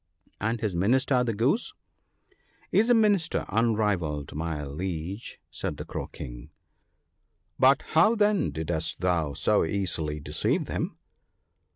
* And his Minister, the Goose ?'* Is a Minister unrivalled, my Liege/ said the Crow king. * But how then didst thou so easily deceive them